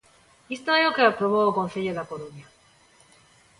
Iso é o que aprobou o Concello da Coruña.